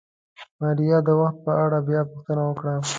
ماريا د وخت په اړه بيا پوښتنه وکړه.